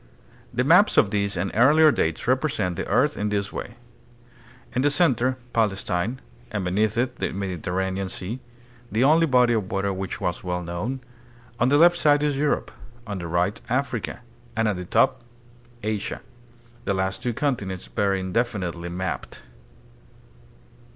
The maps of this and earlier dates represent the earth in this way: In the center, Palestine, and beneath it the Mediterranean Sea, the only body of water which was well known; on the left side is Europe; on the right, Africa; and at the top, Asia the last two continents very indefinitely mapped.